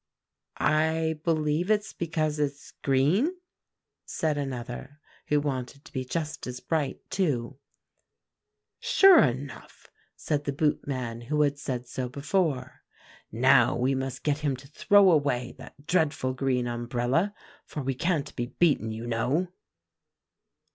"'I believe it's because it's green,' said another, who wanted to be just as bright too. "'Sure enough,' said the boot man who had said so before. 'Now we must get him to throw away that dreadful green umbrella, for we can't be beaten you know.